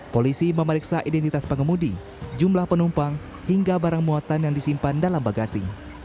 polisi memeriksa identitas pengemudi jumlah penumpang hingga barang muatan yang disimpan dalam bagasi